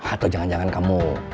atau jangan jangan kamu